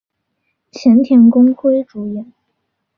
前田公辉主演。